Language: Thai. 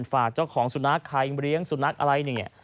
ฝากเจ้าของสุนัขใครเลี้ยงสุนัขอะไรเนี่ย